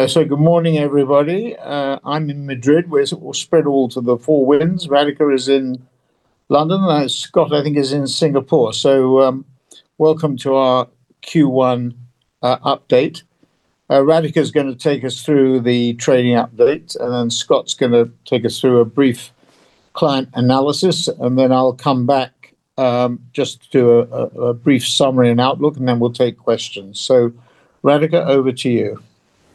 Good morning, everybody. I'm in Madrid. We're all spread all to the four winds. Radhika is in London, and Scott, I think, is in Singapore. Welcome to our Q1 update. Radhika's gonna take us through the trading update, and then Scott's gonna take us through a brief client analysis. Then I'll come back just to do a brief summary and outlook, and then we'll take questions. Radhika, over to you.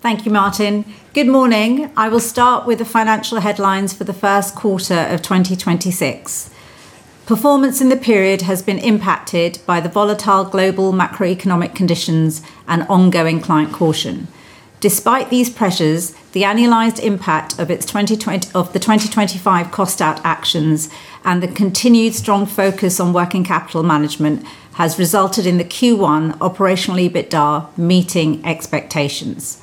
Thank you, Martin. Good morning. I will start with the financial headlines for the first quarter of 2026. Performance in the period has been impacted by the volatile global macroeconomic conditions and ongoing client caution. Despite these pressures, the annualized impact of its 2025 cost out actions and the continued strong focus on working capital management has resulted in the Q1 operational EBITDA meeting expectations.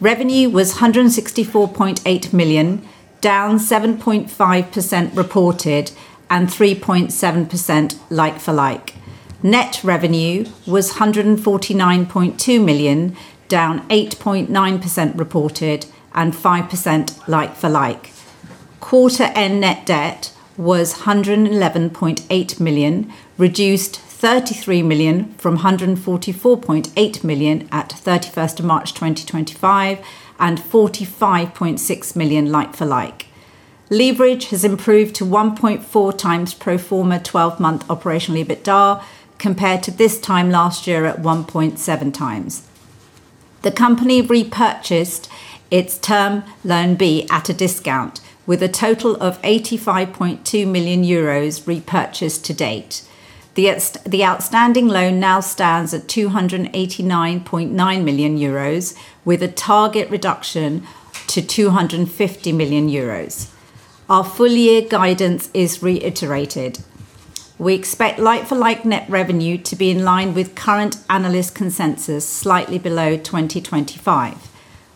Revenue was 164.8 million, down 7.5% reported and 3.7% like-for-like. Net revenue was 149.2 million, down 8.9% reported and 5% like-for-like. Quarter end net debt was 111.8 million, reduced 33 million from 144.8 million at 31st of March 2025 and 45.6 million like-for-like. Leverage has improved to 1.4x pro forma 12 month operational EBITDA compared to this time last year at 1.7x. The company repurchased its term loan B at a discount with a total of 85.2 million euros repurchased to date. The outstanding loan now stands at 289.9 million euros with a target reduction to 250 million euros. Our full year guidance is reiterated. We expect like-for-like net revenue to be in line with current analyst consensus slightly below 2025.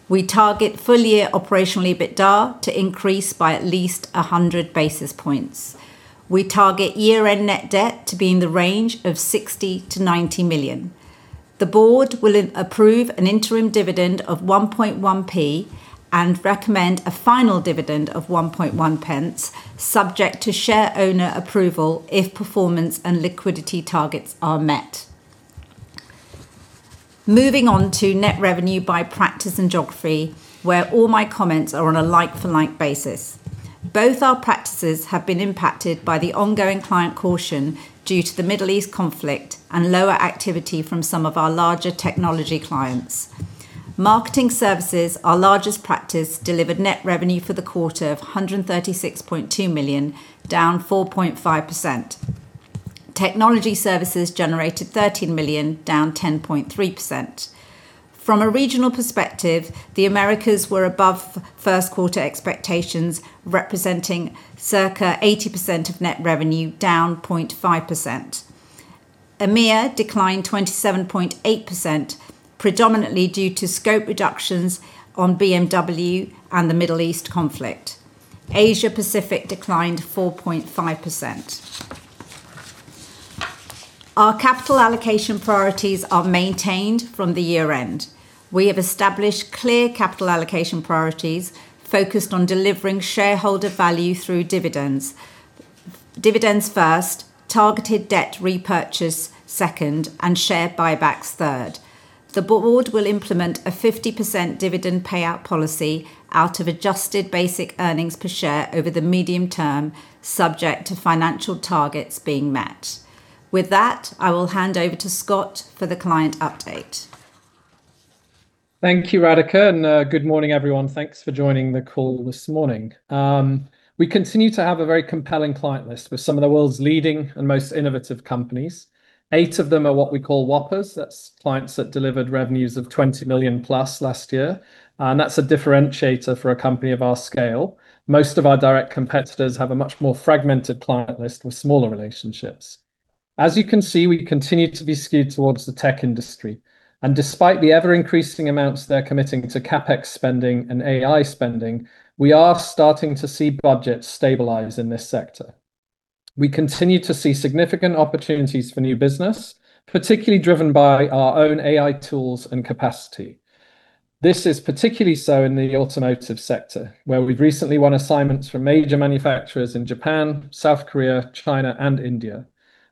We target full year operational EBITDA to increase by at least 100 basis points. We target year-end net debt to be in the range of 60 million-90 million. The board will approve an interim dividend of 0.011 and recommend a final dividend of 0.011 subject to shareowner approval if performance and liquidity targets are met. Moving on to net revenue by practice and geography, where all my comments are on a like-for-like basis. Both our practices have been impacted by the ongoing client caution due to the Middle East conflict and lower activity from some of our larger technology clients. Marketing Services, our largest practice, delivered net revenue for the quarter of 136.2 million, down 4.5%. Technology services generated 13 million, down 10.3%. From a regional perspective, the Americas were above first quarter expectations, representing circa 80% of net revenue, down 0.5%. EMEA declined 27.8%, predominantly due to scope reductions on BMW and the Middle East conflict. Asia Pacific declined 4.5%. Our capital allocation priorities are maintained from the year-end. We have established clear capital allocation priorities focused on delivering shareholder value through dividends. Dividends first, targeted debt repurchase second, and share buybacks third. The board will implement a 50% dividend payout policy out of adjusted basic earnings per share over the medium term, subject to financial targets being met. With that, I will hand over to Scott for the client update. Thank you, Radhika, and good morning, everyone. Thanks for joining the call this morning. We continue to have a very compelling client list with some of the world's leading and most innovative companies. Eight of them are what we call Whoppers. That's clients that delivered revenues of 20 million+ last year, and that's a differentiator for a company of our scale. Most of our direct competitors have a much more fragmented client list with smaller relationships. As you can see, we continue to be skewed towards the tech industry, and despite the ever-increasing amounts they're committing to CapEx spending and AI spending, we are starting to see budgets stabilize in this sector. We continue to see significant opportunities for new business, particularly driven by our own AI tools and capacity. This is particularly so in the automotive sector, where we've recently won assignments from major manufacturers in Japan, South Korea, China, and India,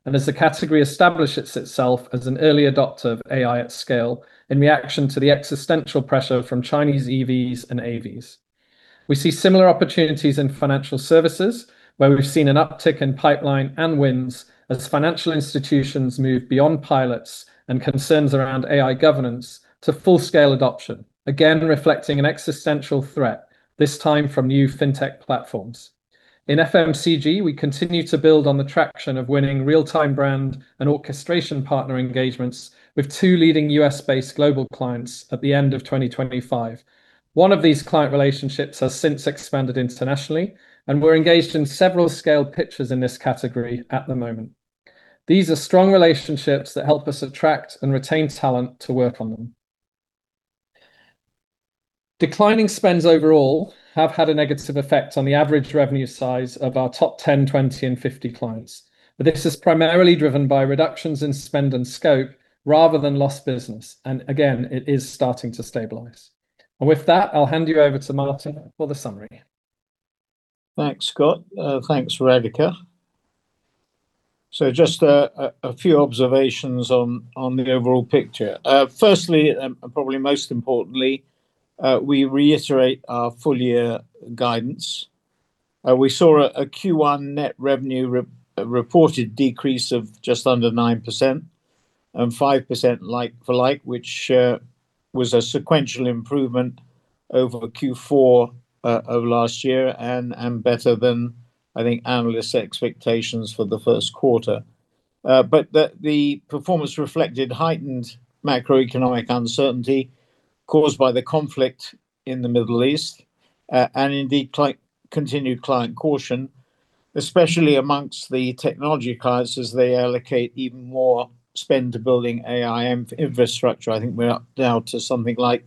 and as the category establishes itself as an early adopter of AI at scale in reaction to the existential pressure from Chinese EVs and AVs. We see similar opportunities in financial services, where we've seen an uptick in pipeline and wins as financial institutions move beyond pilots and concerns around AI governance to full-scale adoption. Again, reflecting an existential threat, this time from new fintech platforms. In FMCG, we continue to build on the traction of winning real-time brand and orchestration partner engagements with two leading U.S.-based global clients at the end of 2025. One of these client relationships has since expanded internationally, and we're engaged in several scaled pitches in this category at the moment. These are strong relationships that help us attract and retain talent to work on them. Declining spends overall have had a negative effect on the average revenue size of our top 10, 20, and 50 clients. This is primarily driven by reductions in spend and scope rather than lost business, and again, it is starting to stabilize. With that, I'll hand you over to Martin for the summary. Thanks, Scott. Thanks, Radhika. Just a few observations on the overall picture. Firstly, and probably most importantly, we reiterate our full-year guidance. We saw a Q1 net revenue re-reported decrease of just under 9%, and 5% like-for-like, which was a sequential improvement over Q4 of last year and better than, I think, analyst expectations for the first quarter. The performance reflected heightened macroeconomic uncertainty caused by the conflict in the Middle East and indeed continued client caution, especially amongst the technology clients as they allocate even more spend building AI infrastructure. I think we're up now to something like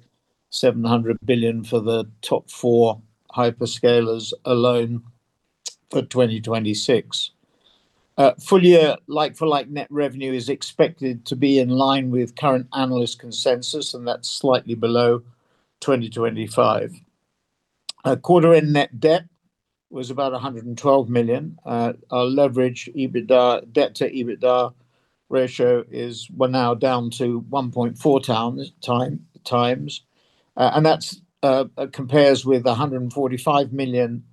700 billion for the top four hyperscalers alone for 2026. Full-year like-for-like net revenue is expected to be in line with current analyst consensus, and that's slightly below 2025. Quarter end net debt was about 112 million. Our leverage EBITDA, debt to EBITDA ratio is we're now down to 1.4x. That compares with 145 million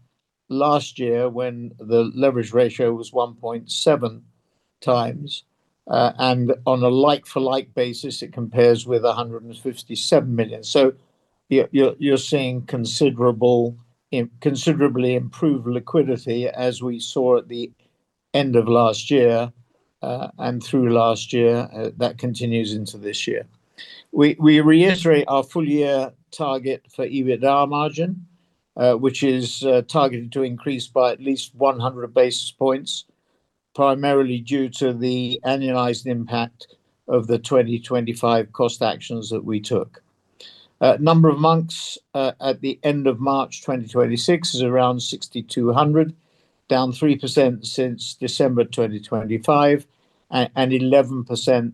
last year when the leverage ratio was 1.7x. On a like-for-like basis, it compares with 157 million. You're seeing considerably improved liquidity as we saw at the end of last year and through last year. That continues into this year. We reiterate our full-year target for EBITDA margin, which is targeted to increase by at least 100 basis points, primarily due to the annualized impact of the 2025 cost actions that we took. Number of months at the end of March 2026 is around 6,200, down 3% since December 2025, and 11%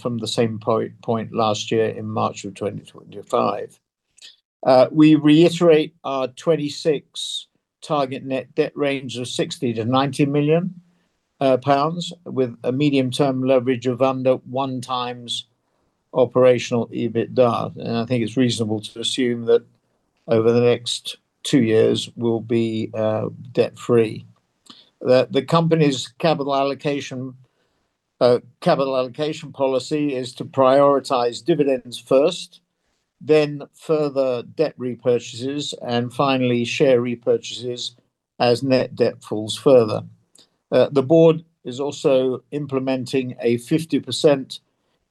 from the same point last year in March of 2025. We reiterate our 2026 target net debt range of 60 million-90 million pounds, with a medium-term leverage of under 1x operational EBITDA. I think it's reasonable to assume that over the next two years we'll be debt-free. The company's capital allocation policy is to prioritize dividends first, then further debt repurchases, and finally share repurchases as net debt falls further. The board is also implementing a 50%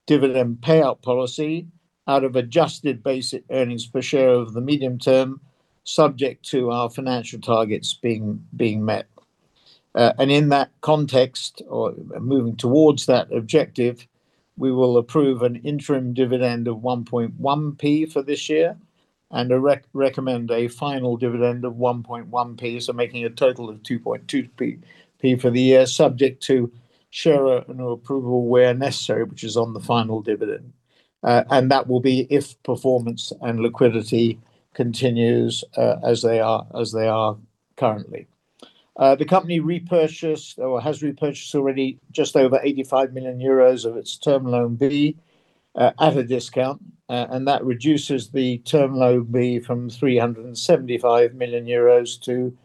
dividend payout policy out of adjusted basic earnings per share over the medium term, subject to our financial targets being met. In that context or moving towards that objective, we will approve an interim dividend of 0.011 for this year and recommend a final dividend of 0.011, so making a total of 0.022 for the year, subject to shareholder approval where necessary, which is on the final dividend. That will be if performance and liquidity continues as they are currently. The company repurchased or has repurchased already just over 85 million euros of its term loan B at a discount. That reduces the term loan B from 375 million euros to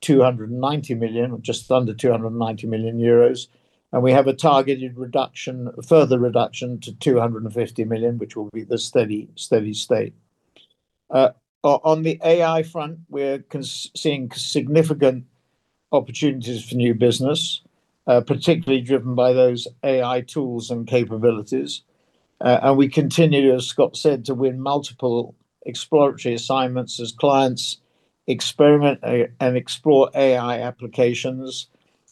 290 million, just under 290 million euros. We have a targeted reduction, further reduction to 250 million, which will be the steady state. On the AI front, we're seeing significant opportunities for new business, particularly driven by those AI tools and capabilities. We continue, as Scott said, to win multiple exploratory assignments as clients experiment and explore AI applications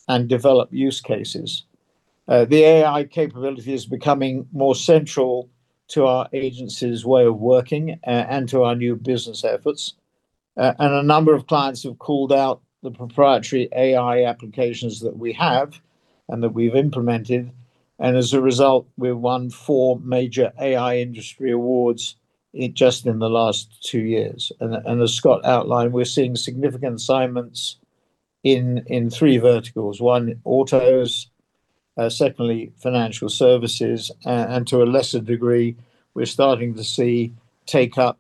and develop use cases. The AI capability is becoming more central to our agency's way of working and to our new business efforts. A number of clients have called out the proprietary AI applications that we have and that we've implemented, as a result, we've won four major AI Industry Awards just in the last two years. As Scott outlined, we're seeing significant assignments in three verticals. One, autos, secondly, financial services, to a lesser degree, we're starting to see take up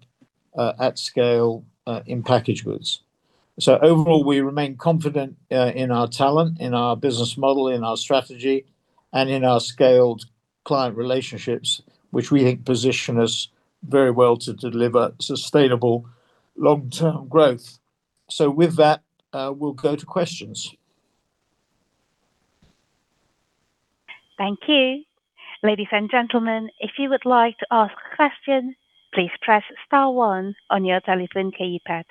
at scale in packaged goods. Overall, we remain confident in our talent, in our business model, in our strategy, and in our scaled client relationships, which we think position us very well to deliver sustainable long-term growth. With that, we'll go to questions. Thank you. Ladies and gentlemen, if you would like to ask a question, please press star one on your telephone keypad.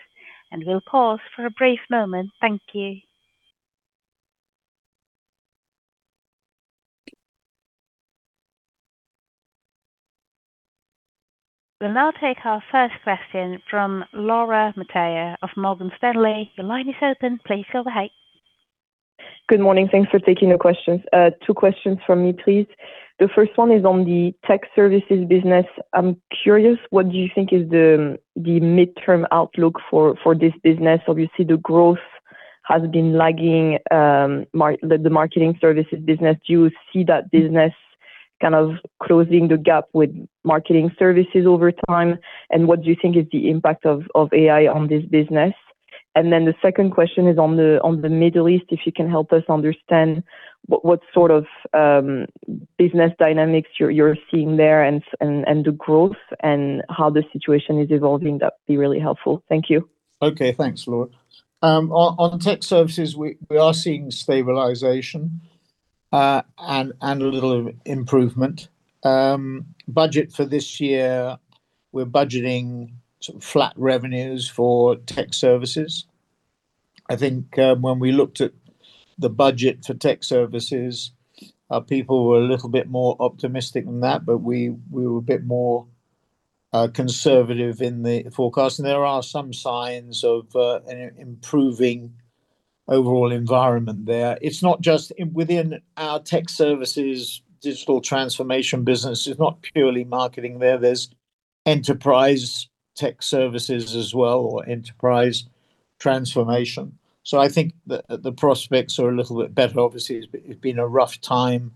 We'll pause for a brief moment. Thank you. We'll now take our first question from Laura Metayer of Morgan Stanley. Your line is open. Please go ahead. Good morning. Thanks for taking the questions. Two questions from me, please. The first one is on the Tech Services business. I'm curious, what do you think is the midterm outlook for this business? Obviously, the growth has been lagging the Marketing Services business. Do you see that business kind of closing the gap with Marketing Services over time? What do you think is the impact of AI on this business? The second question is on the Middle East, if you can help us understand what sort of business dynamics you're seeing there and the growth and how the situation is evolving, that'd be really helpful. Thank you. Okay, thanks, Laura. On Tech Services, we are seeing stabilization and a little improvement. Budget for this year, we're budgeting sort of flat revenues for Tech Services. I think, when we looked at the budget for Tech Services, our people were a little bit more optimistic than that, but we were a bit more conservative in the forecast. There are some signs of improving overall environment there. It's not just within our Tech Services, Digital Transformation business, it's not purely Marketing there. There's Enterprise Tech Services as well or Enterprise Transformation. I think the prospects are a little bit better. Obviously, it's been a rough time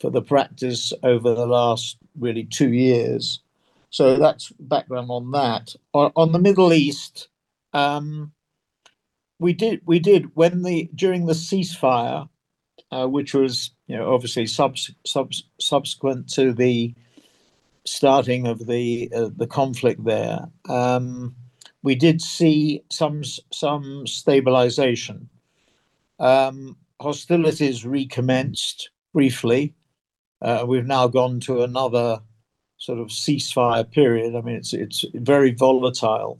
for the practice over the last, really two years. That's background on that. On the Middle East, we did. During the ceasefire, which was, you know, obviously subsequent to the starting of the, of the conflict there, we did see some stabilization. Hostilities recommenced briefly. We've now gone to another sort of ceasefire period. I mean, it's very volatile.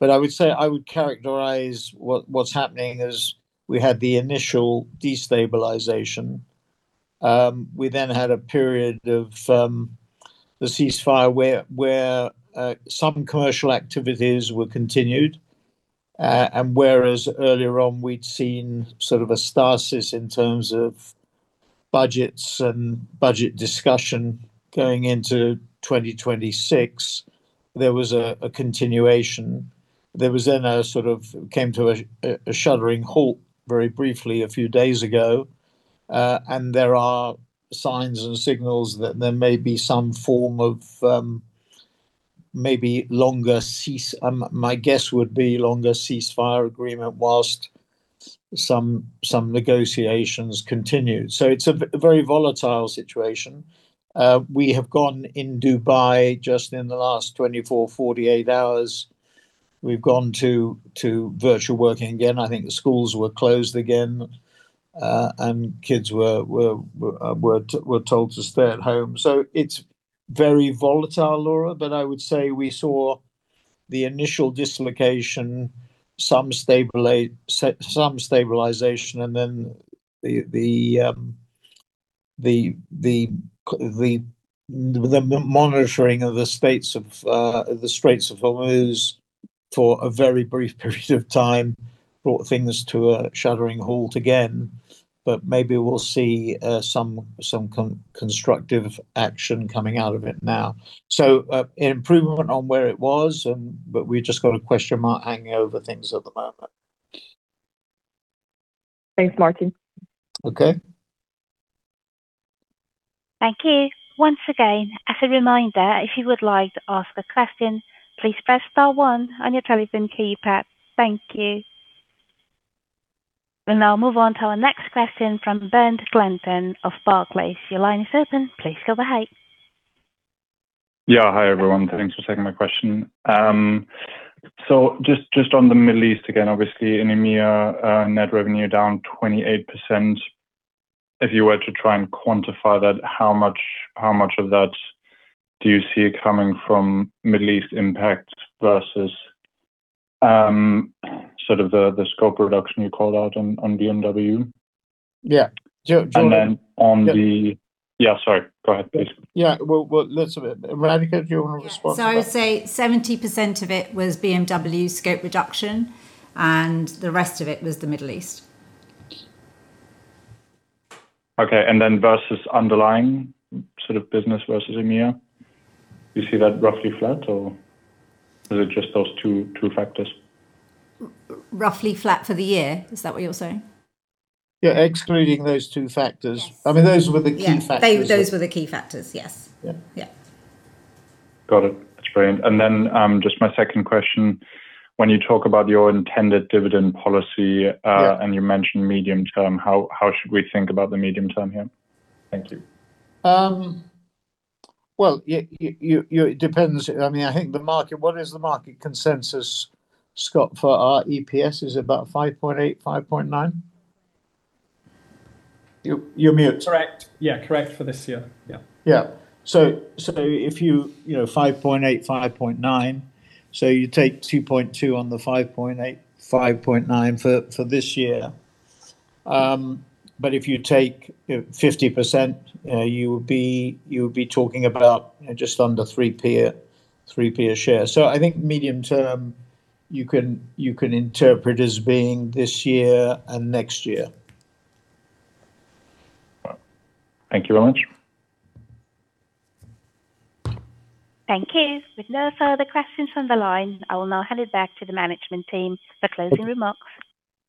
I would say, I would characterize what's happening as we had the initial destabilization. We then had a period of the ceasefire where some commercial activities were continued. Whereas earlier on, we'd seen sort of a stasis in terms of budgets and budget discussion going into 2026. There was a continuation. There was then a sort of came to a shuddering halt very briefly a few days ago. There are signs and signals that there may be some form of maybe longer ceasefire agreement whilst some negotiations continue. It's a very volatile situation. We have gone in Dubai just in the last 24, 48 hours. We've gone to virtual working again. I think the schools were closed again, kids were told to stay at home. It's very volatile, Laura, but I would say we saw the initial dislocation, some stabilization, and then the monitoring of the Straits of Hormuz for a very brief period of time brought things to a shuddering halt again. Maybe we'll see some constructive action coming out of it now. Improvement on where it was, but we've just got a question mark hanging over things at the moment. Thanks, Martin. Okay. Thank you. Once again, as a reminder, if you would like to ask a question, please press star one on your telephone keypad. Thank you. We will now move on to our next question from Brad Barton of Barclays. Your line is open. Please go ahead. Yeah, hi, everyone. Thanks for taking my question. Just on the Middle East again, obviously in EMEA, net revenue down 28%. If you were to try and quantify that, how much of that do you see coming from Middle East impact versus sort of the scope reduction you called out on BMW? Yeah. Join in. And then on the- Yeah. Yeah, sorry. Go ahead, please. Yeah. Well, let's have it. Radhika, do you wanna respond to that? Yeah. I would say 70% of it was BMW scope reduction, and the rest of it was the Middle East. Okay. then versus underlying sort of business versus EMEA, do you see that roughly flat, or is it just those two factors? Roughly flat for the year. Is that what you're saying? Yeah, excluding those two factors. Yes. I mean, those were the key factors. Yeah. Those were the key factors, yes. Yeah. Yeah. Got it. That's brilliant. Then, just my second question. When you talk about your intended dividend policy- Yeah. You mention medium term, how should we think about the medium term here? Thank you. Well, you It depends. I mean, What is the market consensus, Scott, for our EPS? Is it about 5.8, 5.9? You're on mute. Correct. Yeah, correct for this year. Yeah. If you know, 5.8, 5.9, you take 2.2 on the 5.8, 5.9 for this year. If you take 50%, you would be talking about just under 0.03 a share. I think medium term, you can interpret as being this year and next year. Thank you very much. Thank you. With no further questions from the line, I will now hand it back to the management team for closing remarks.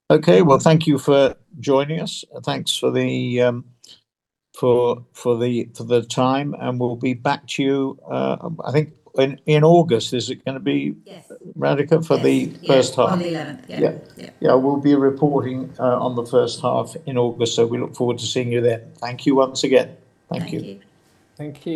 Okay. Well, thank you for joining us, and thanks for the time, and we'll be back to you, I think in August. Yes. Radhika, for the first half? Yeah. On the 11th. Yeah. Yeah. Yeah. We'll be reporting on the first half in August, so we look forward to seeing you then. Thank you once again. Thank you. Thank you. Thank you.